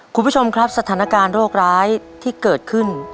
คุณผู้ชมครับสถานการณ์โรคร้ายที่เกิดขึ้น